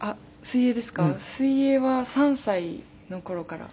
水泳は３歳の頃から。